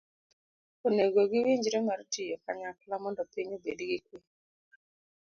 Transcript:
Onego giwinjre mar tiyo kanyakla mondo piny obed gi kwe.